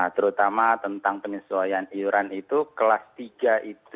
terutama tentang penyesuaian iuran itu kelas tiga itu